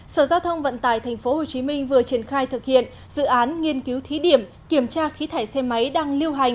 sở giao thông vận tải tp hcm vừa triển khai thực hiện dự án nghiên cứu thí điểm kiểm tra khí thải xe máy đang lưu hành